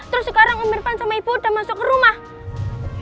terus sekarang umirkan sama ibu udah masuk ke rumah